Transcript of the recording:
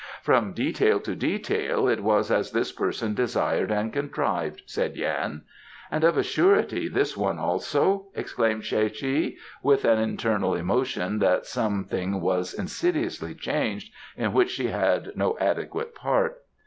"From detail to detail it was as this person desired and contrived," said Yan. "And, of a surety, this one also?" claimed Tsae che, with an internal emotion that something was insidiously changed in which she had no adequate part.